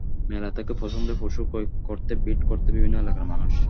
মেলা থেকে পছন্দের পশু ক্রয় করতে ভিড় করত বিভিন্ন এলাকার মানুষ।